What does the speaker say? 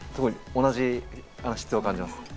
同じ質を感じます。